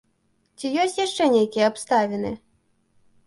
Ці ёсць яшчэ нейкія абставіны?